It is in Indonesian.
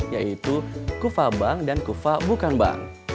yaitu kuva bank dan kuva bukan bank